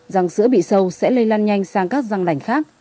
răng sữa bị sâu sẽ lây lan nhanh sang các răng lành khác